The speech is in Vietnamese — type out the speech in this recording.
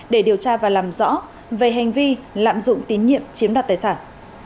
để điều tra và làm rõ về hành vi lạm dụng tín nhiệm chiếm đoạt tài sản